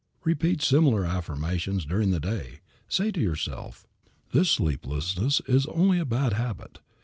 Repeat similar affirmations during the day. Say to yourself, "This sleeplessness is only a bad habit.